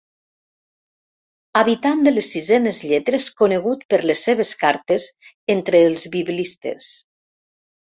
Habitant de les sisenes lletres conegut per les seves cartes entre els biblistes.